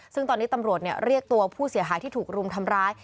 ซึ่งตอนนี้ตำรวจเรียกตัวผู้เสียหายที่ถูกรุมทำร้าย